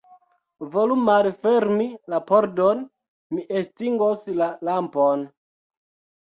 Volu malfermi la pordon; mi estingos la lampon.